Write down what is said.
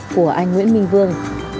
của anh nguyễn minh vương